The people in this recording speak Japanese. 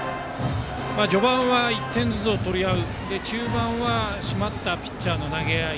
序盤は１点ずつを取り合って中盤は締まったピッチャーの投げ合い。